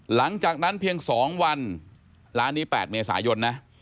หลังจากนั้นเพียง๒วันร้านนี้๘เมษายนนะ